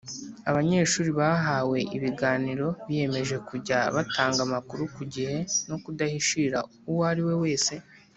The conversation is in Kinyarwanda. Abanyeshuri bahawe ibiganiro biyemeje kujya batanga amakuru ku gihe no kudahishira uwo ariwe wese